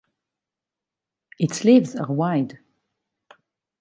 Its leaves are wide.